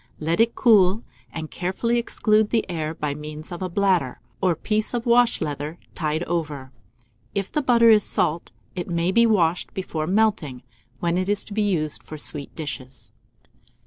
Let it cool, and carefully exclude the air by means of a bladder, or piece of wash leather, tied over. If the butter is salt, it may be washed before melting, when it is to be used for sweet dishes.